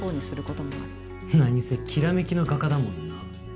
何せ「煌めきの画家」だもんな。